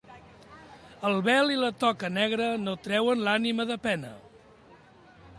El vel i la toca negra no treuen l'ànima de pena.